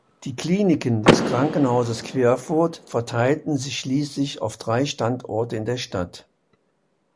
Die Kliniken des Krankenhauses Querfurt verteilten sich schließlich auf drei Standorte in der Stadt.